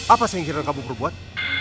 apa sih yang kira kamu perlu buat